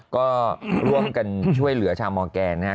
ก็ร่วมกันช่วยเหลือชาวมอร์แกนนะครับ